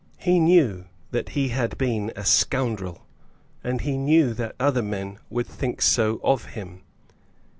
He knew that he had been a scoundrel, and he knew that other men would so think of him.